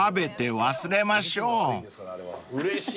うれしい。